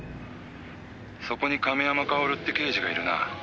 「そこに亀山薫って刑事がいるな？」